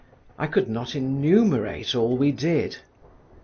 I could not enumerate all we did.